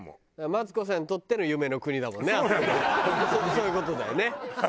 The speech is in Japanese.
そういう事だよね。